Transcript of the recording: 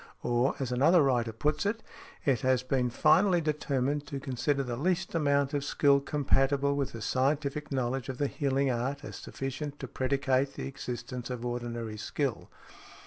Or, as another writer puts it, "It has been finally determined to consider the least amount of skill compatible with a scientific knowledge of the healing art as sufficient to predicate the existence of ordinary skill" .